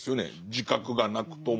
自覚がなくとも。